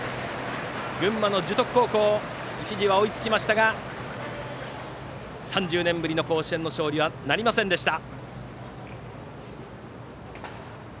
群馬の樹徳高校一時は追いつきましたが３０年ぶりの甲子園勝利はなりませんでした。